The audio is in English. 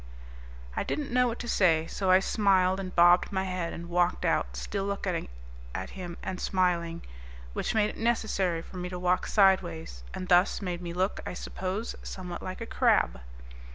I didn't know what to say, so I smiled and bobbed my head and walked out still looking at him and smiling, which made it necessary for me to walk sideways, and thus made me look, I suppose, somewhat like a crab.